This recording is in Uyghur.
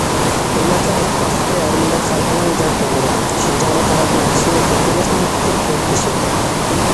مىللەتلەر ئىتتىپاقلىقى ھەر مىللەت خەلقنىڭ جان تومۇرى، شىنجاڭنىڭ تەرەققىي قىلىشى، ئىلگىرىلىشىنىڭ تۈپ ئۇل تېشى.